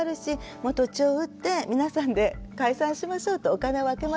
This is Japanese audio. もう土地を売って皆さんで解散しましょうとお金分けましょう。